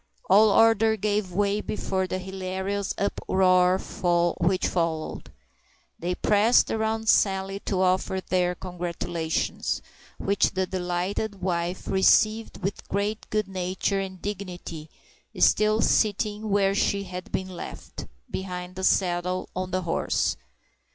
All order gave way before the hilarious uproar which followed. They pressed around Sally to offer their congratulations, which the delighted wife received with great good nature and dignity, still sitting where she had been left—behind the saddle, on the horse.